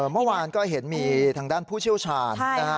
เมื่อวานก็เห็นมีทางด้านผู้เชี่ยวชาญนะฮะ